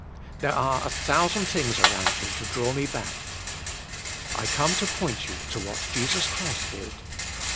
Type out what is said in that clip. There are a thousand things around me to draw me back. I come to point you to what Jesus Christ did.